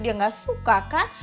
dia gak suka kan